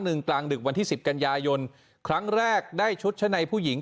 กลางดึกวันที่สิบกันยายนครั้งแรกได้ชุดชั้นในผู้หญิง